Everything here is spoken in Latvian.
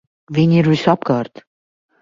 Viņi ir visapkārt!